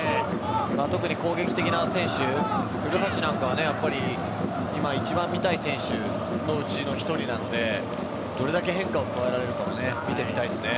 特に攻撃的な選手、古橋なんかは今、一番見たい選手のうちの１人なのでどれだけ変化を加えられるか見てみたいですね。